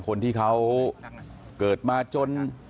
คนที่เขาเกิดมาจน